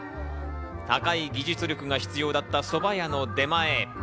高い技術力が必要だったそば屋の出前。